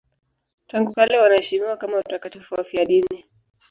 Tangu kale wanaheshimiwa kama watakatifu wafiadini.